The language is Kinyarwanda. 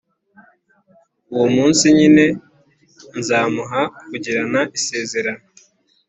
Uwo munsi nyine, nzamuha kugirana isezerano